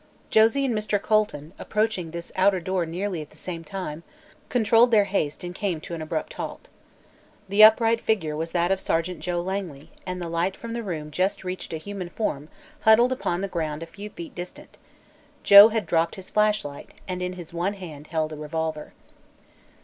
Josie and Mr. Colton, approaching this outer door nearly at the same time, controlled their haste and came to an abrupt halt. The upright figure was that of Sergeant Joe Langley and the light from the room just reached a human form huddled upon the ground a few feet distant. Joe had dropped his flashlight and in his one hand held a revolver.